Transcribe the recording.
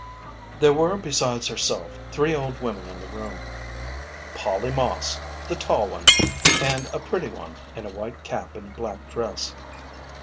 There were, besides herself, three old women in the room ŌĆö Polly Moss, the tall one, and a pretty one in a white cap and black dress.